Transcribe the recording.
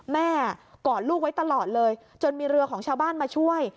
กอดลูกไว้ตลอดเลยจนมีเรือของชาวบ้านมาช่วย